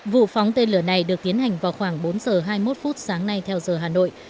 vụ phóng tên lửa này được tiến hành vào khoảng bốn giờ hai mươi một phút sáng nay theo giờ hà nội